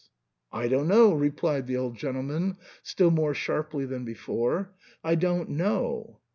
" I don't know," replied the old gentleman, still more sharply than before, I don't know.